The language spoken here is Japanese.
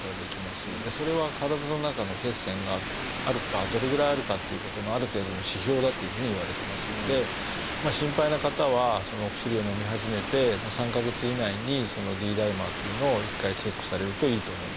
それは体の中の血栓があるかどれぐらいあるかということのある程度の指標だというふうにいわれてますので心配な方はそのお薬をのみ始めて３か月以内にそのＤダイマーというのを一回チェックされるといいと思います。